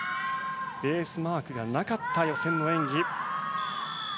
ベースマークがなかった予選の演技。